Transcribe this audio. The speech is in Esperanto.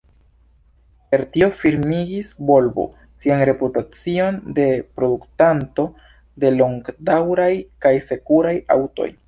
Per tio firmigis Volvo sian reputacion de produktanto de longdaŭraj kaj sekuraj aŭtoj.